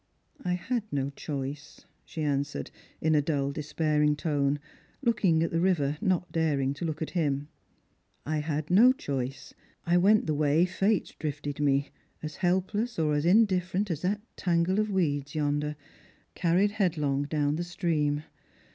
" I had no choice," she answered, in a dull despairing tone, looking at the river, not daring to look at him. " I had no choice. I went the way Fate drifted me, as helpless or as in different as that tangle of weeds yonder, carried headlong down the stream.